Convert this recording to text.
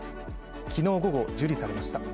昨日午後、受理されました。